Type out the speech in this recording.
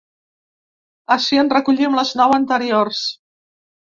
Ací en recollim les nou anteriors.